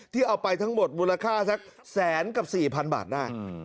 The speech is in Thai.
เอาไปทั้งหมดมูลค่าสักแสนกับ๔๐๐๐บาทได้